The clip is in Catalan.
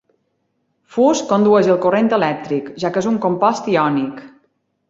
Fus condueix el corrent elèctric, ja que és un compost iònic.